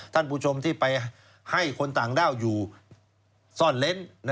ท่านผู้ชมที่ไปให้คนต่างด้าวอยู่ซ่อนเล้น